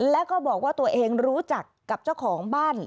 แล้วก็บอกว่าตัวเองรู้จักกับเจ้าของบ้าน